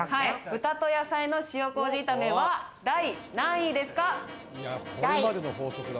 豚と野菜の塩麹炒めは第何位ですか？